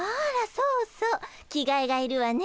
そうそう着替えがいるわね。